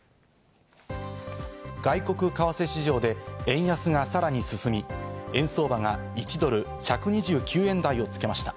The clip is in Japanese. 外国為替市場で円安がさらに進み、円相場が１ドル＝１２９円台をつけました。